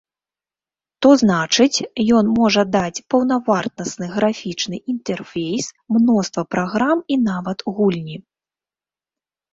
То значыць, ён можа даць паўнавартасны графічны інтэрфейс, мноства праграм і нават гульні.